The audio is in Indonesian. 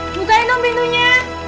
bukain dong pintunya